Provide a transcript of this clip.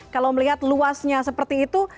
kalau melihat luasnya seperti itu